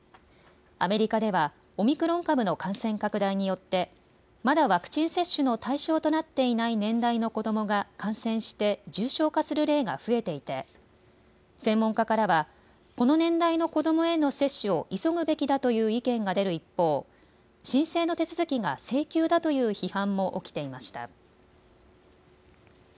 アメリカではオミクロン株の感染拡大によってまだワクチン接種の対象となっていない年代の子どもが感染して重症化する例が増えていて専門家からはこの年代の子どもへの接種を急ぐべきだという意見が出る一方、申請の手続きが性急だという批判も起きていました。